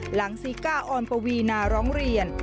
ซีก้าออนปวีนาร้องเรียน